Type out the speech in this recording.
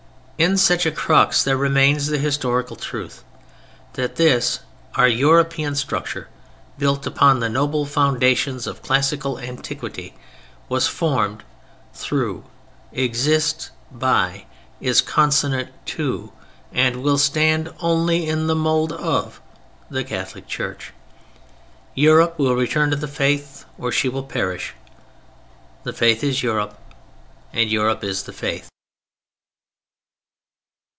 In such a crux there remains the historical truth: that this our European structure, built upon the noble foundations of classical antiquity, was formed through, exists by, is consonant to, and will stand only in the mold of, the Catholic Church. Europe will return to the Faith, or she will perish. The Faith is Europe. And Europe is the Faith.